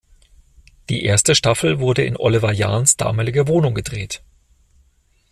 Die erste Staffel wurde in Oliver Jahns damaliger Wohnung gedreht.